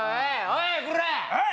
おい